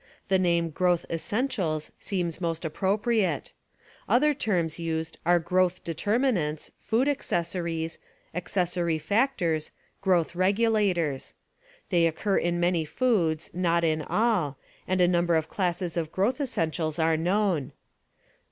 The Growth name growth essentials seems most appropriate. Other Essentials terms used are growth determinants, food accessories, accessory factors, growth regulators. They occur in many foods, not in all, and a number of classes of growth essentials are known.